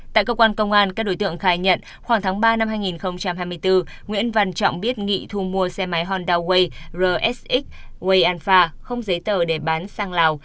tại cơ quan công an các đối tượng khai nhận khoảng tháng ba năm hai nghìn hai mươi bốn nguyễn văn trọng biết nghị thu mua xe máy honda way rsx wayanfa không giấy tờ để bán sang lào